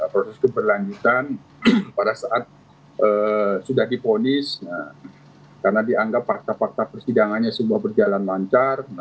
proses keberlanjutan pada saat sudah diponis karena dianggap fakta fakta persidangannya semua berjalan lancar